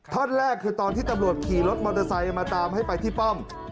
ท่อนแรกคือตอนที่ตำรวจขี่รถมอเตอร์ไซค์มาตามให้ไปที่ป้อม